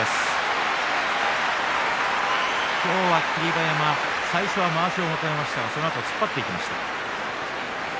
今日は霧馬山最初はまわしを求めましたが突っ張っていきました。